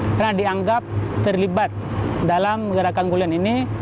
pernah dianggap terlibat dalam gerakan gulet ini